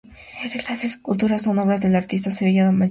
Las esculturas son obras del artista sevillano Melchor Zapata.